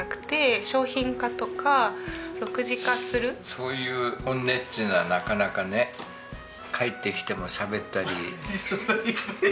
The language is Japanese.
そういう本音っちゅうのはなかなかね帰ってきてもしゃべったりしないから。